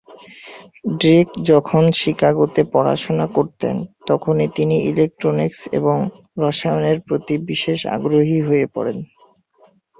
Drake যখন শিকাগোতে পড়াশোনা করতেন তখনই তিনি ইলেক্ট্রনিক্স এবং রসায়নের প্রতি বিশেষ আগ্রহী হয়ে পড়েন।